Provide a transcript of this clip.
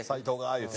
言うて？